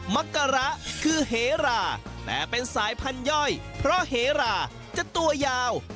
มักกะระคือเหราแต่เป็นสายพันธย่อยเพราะเหราจะตัวยาว